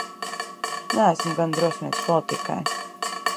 Neesmu gana drosmīgs politikai.